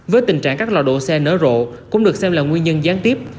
với tình trạng các lò độ xe nở rộ cũng được xem là nguyên nhân gián tiếp